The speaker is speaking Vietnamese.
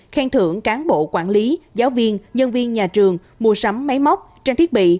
khen thưởng cán bộ quản lý giáo viên nhân viên nhà trường mua sắm máy móc trang thiết bị